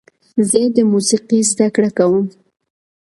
زه د موسیقۍ زده کړه کوم.